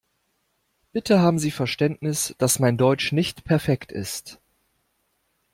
Bitte haben Sie Verständnis, dass mein Deutsch nicht perfekt ist.